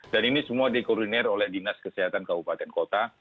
dan ini semua dikoordinir oleh dinas kesehatan kabupaten kota